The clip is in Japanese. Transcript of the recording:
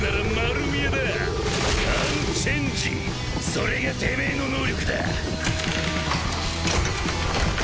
それがてめぇの能力だ。